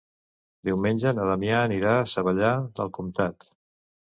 Diumenge na Damià anirà a Savallà del Comtat.